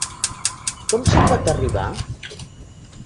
Com s’hi pot arribar?